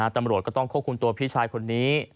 ตำรวจก็ต้องควบคุมตัวพี่ชายคนนี้